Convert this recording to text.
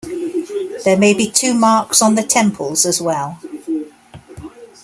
There may be two marks on the temples as well.